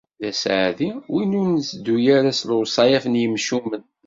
D aseɛdi win ur netteddu ara s lewṣayat n yimcumen.